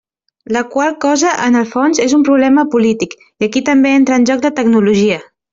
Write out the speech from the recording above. La qual cosa, en el fons, és un problema polític, i aquí també entra en joc la tecnologia.